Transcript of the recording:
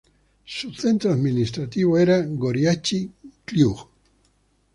Su centro administrativo era Goriachi Kliuch.